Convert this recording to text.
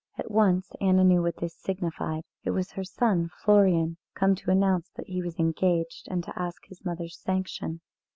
At once Anna knew what this signified. It was her son Florian come to announce that he was engaged, and to ask his mother's sanction.